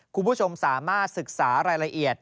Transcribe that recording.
คุณผู้ชมสามารถศึกษารายละเอียด